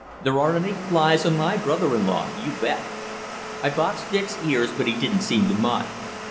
There aren't any flies on my brother in law, you bet!" I boxed Dick's ears, but he didn't seem to mind.